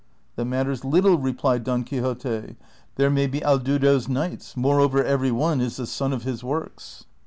That matters little," replied Don Quixote ;" there may be Haldudos knights ;'^ moreover, every one is the son of his works."